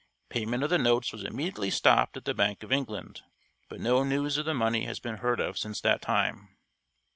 Payment of the notes was immediately stopped at the Bank of England, but no news of the money has been heard of since that time.